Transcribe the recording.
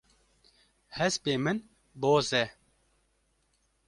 Hespê min boz e.